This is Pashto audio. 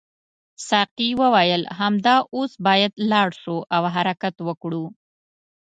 ساقي وویل همدا اوس باید لاړ شو او حرکت وکړو.